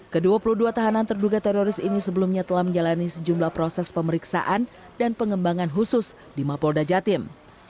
kedua puluh dua tahanan terduga teroris ini sebelumnya telah menjalani sejumlah proses pemeriksaan dan pengembangan khusus di mapolda jatim